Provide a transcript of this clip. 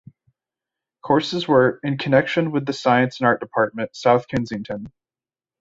Courses were "in connection with the Science and Art Department, South Kensington".